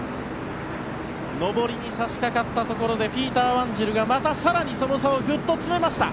上りに差し掛かったところでピーター・ワンジルがまた更にその差をぐっと詰めました。